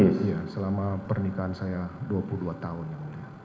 iya selama pernikahan saya dua puluh dua tahun yang mulia